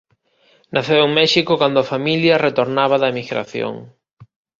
Naceu en México cando a familia retornaba da emigración.